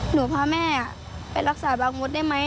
หนูพาแม่ไปรักษาบางมดได้ไหม